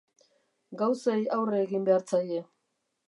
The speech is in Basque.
Gauzei aurre egin behar zaie.